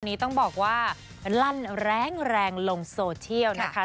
ตอนนี้ต้องบอกว่ารันแรงลงโซเทียลนะคะ